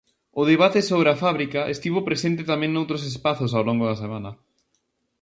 O debate sobre a fábrica estivo presente tamén noutros espazos ao longo da Semana.